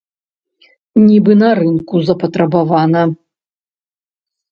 Нібы на рынку запатрабавана.